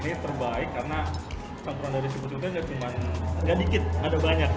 ini terbaik karena campuran dari sebut sebutnya tidak dikit ada banyak